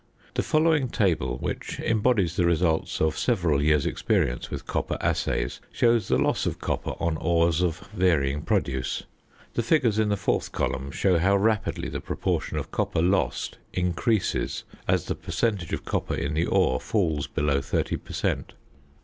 The following table, which embodies the results of several years' experience with copper assays, shows the loss of copper on ores of varying produce. The figures in the fourth column show how rapidly the proportion of copper lost increases as the percentage of copper in the ore falls below 30 per cent.